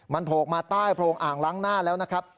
มันโผล่มาใต้โพรงอ่างล้างหน้าแล้วนะครับ